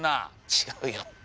違うよ。